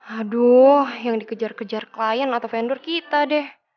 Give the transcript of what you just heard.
aduh yang dikejar kejar klien atau vendor kita deh